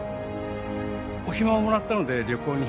お暇をもらったので旅行に